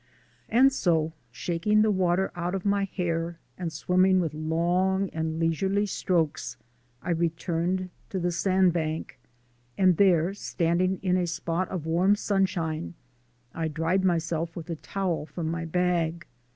And so, shaking the water out of my hair and swimming with long and leisurely strokes, I returned to the sand bank, and there, standing in a spot of warm sunshine, I dried myself with the towel from my bag.